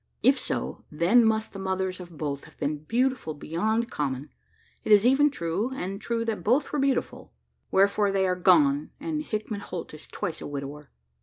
If so, then must the mothers of both have been beautiful beyond common! It is even true, and true that both were beautiful were for they are gone, and Hickman Holt is twice a widower.